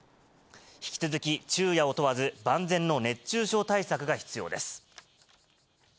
引き続き、昼夜を問わず、万全の熱中症対策が必要です。